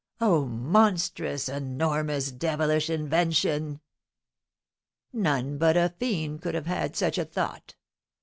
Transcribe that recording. Oh, monstrous, enormous, devilish invention! None but a fiend could have had such a thought.